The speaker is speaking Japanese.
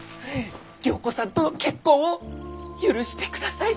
良子さんとの結婚を許してください！